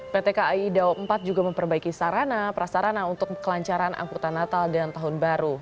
pt kai daob empat juga memperbaiki sarana prasarana untuk kelancaran angkutan natal dan tahun baru